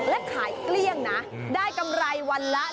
แต่จากเกลี้ยงนะได้กำไรวันละ๑๘๐๐๐บาท